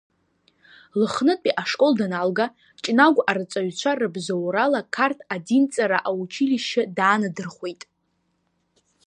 Лыхнытәи ашкол даналга, Ҷнагә арҵаҩцәа рыбзоурала Қарҭ адинҵара аучилишьче даанадырхәеит.